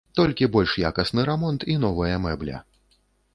Толькі больш якасны рамонт і новая мэбля.